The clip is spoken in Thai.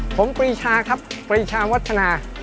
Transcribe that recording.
ผมปรีชาครับปรีชาววัฒนา